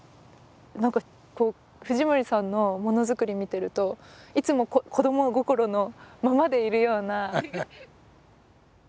何か藤森さんのものづくり見てるといつも子ども心のままでいるような。